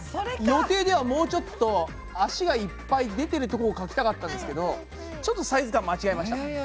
予定ではもうちょっと脚がいっぱい出てるとこを描きたかったんですけどちょっとサイズ感間違えました。